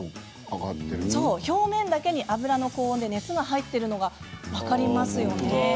表面だけに油の高温で熱が入っているのが分かりますよね？